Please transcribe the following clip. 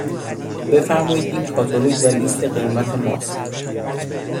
بفرمایید این کاتالوگ و لیست قیمت ماست.